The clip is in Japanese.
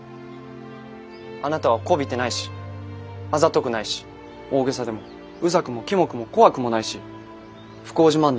あなたはこびてないしあざとくないし大げさでもうざくもキモくも怖くもないし不幸自慢なんかしていません。